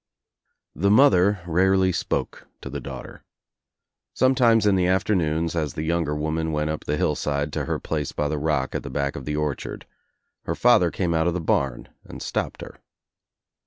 The mother rarely spoke to the daughter. Some times in the afternoons as the younger woman went up the hillside to her place by the rock at the back of the orchard, her father came out of the barn and stopped her.